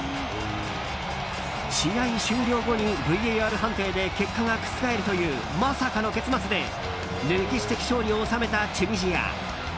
試合終了後にＶＡＲ判定で結果が覆るというまさかの結末で歴史的勝利を収めたチュニジア。